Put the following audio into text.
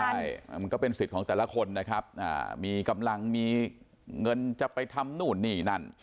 ใช่มันก็เป็นสิทธิ์ของแต่ละคนนะครับมีกำลังมีเงินจะไปทำนู่นนี่นั่น